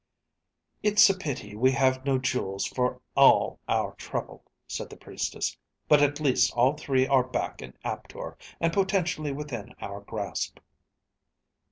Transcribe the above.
"It's a pity we have no jewels for all our trouble," said the Priestess. "But at least all three are back in Aptor, and potentially within our grasp."